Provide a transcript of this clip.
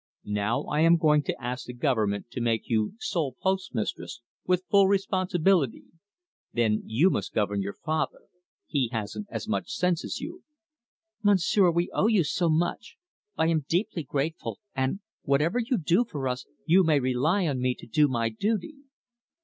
Now I am going to ask the government to make you sole postmistress, with full responsibility. Then you must govern your father he hasn't as much sense as you." "Monsieur, we owe you so much! I am deeply grateful, and, whatever you do for us, you may rely on me to do my duty."